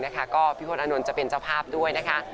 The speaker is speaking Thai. พิธีวันอนนท์จะเป็นเจ้าภาพด้วยนะคะ